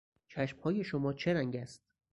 چشمهای شما چه رنگ است؟